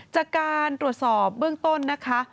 จากการตรวจสอบเบื้องต้นนะคะ